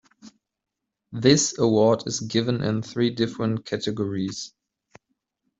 This award is given in three different categories.